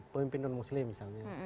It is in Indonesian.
pemimpinan muslim misalnya